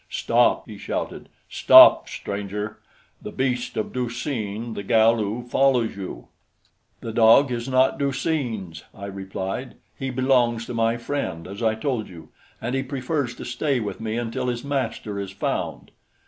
"Stop!" he shouted. "Stop, stranger! The beast of Du seen the Galu follows you." "The dog is not Du seen's," I replied. "He belongs to my friend, as I told you, and he prefers to stay with me until his master is found."